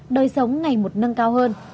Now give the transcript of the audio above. đời sống ngày một nâng cao hơn